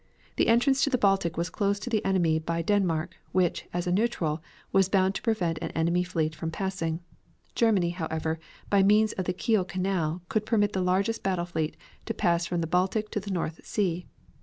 The entrance to the Baltic was closed to the enemy by Denmark, which, as a neutral, was bound to prevent an enemy fleet from passing. Germany, however, by means of the Kiel Canal, could permit the largest battle fleet to pass from the Baltic to the North Sea.